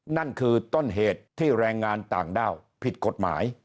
นั่นคือต้นเหตุที่แรงงานต่างด้าวผิดกฎหมาย